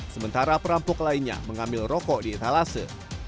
sementara perampok lainnya mengambil rokok di etalase